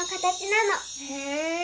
へえ。